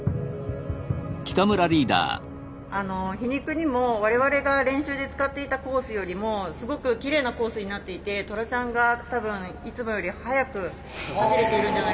皮肉にも我々が練習で使っていたコースよりもすごくきれいなコースになっていてトラちゃんが多分いつもより速く走れているんじゃないかなと思います。